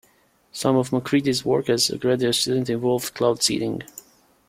Some of MacCready's work as a graduate student involved cloud seeding.